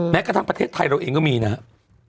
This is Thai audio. แม้กระทั่งประเทศไทยเราเองก็มีนะครับ